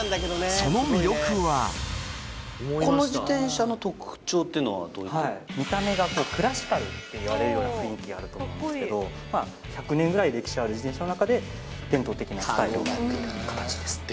その魅力は見た目がクラシカルっていわれるような雰囲気があると思うんですけどまあ１００年ぐらい歴史ある自転車の中で伝統的なスタイルをとっている形ですね